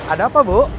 ada apa bu